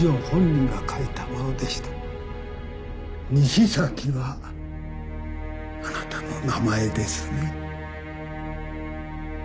しさき」はあなたの名前ですね？